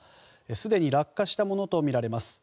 すでに落下したものとみられます。